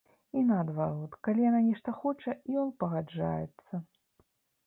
І наадварот, калі яна нешта хоча, ён пагаджаецца.